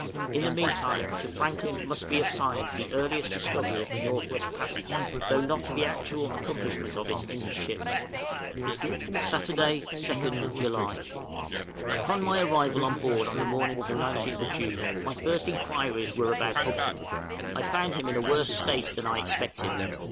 In the mean time to Franklin must be assigned the earliest discovery of the North West Passage, though not the actual accomplishment of it in his ships. {JULY, 1859.} Saturday, 2nd July. Upon my arrival on board on the morning of the 19th June, my first inquiries were about Hobson; I found him in a worse state than I expected.